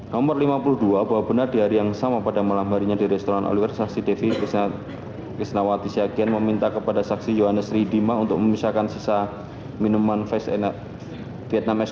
nomor lima puluh dua bahwa benar di hari yang sama pada malam harinya di restoran oligar saksi devi krisnawati syagian meminta kepada saksi yohanes ridima untuk memisahkan sisa minuman face vietnam s